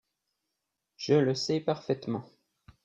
je le sais parfaitement.